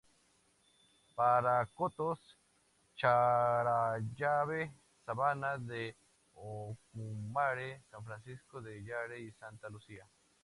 Paracotos, Charallave, Sabana de Ocumare, San Francisco de Yare y Santa Lucía.